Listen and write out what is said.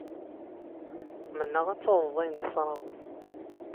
Mennaɣ ad tawḍeḍ ayen tessarameḍ.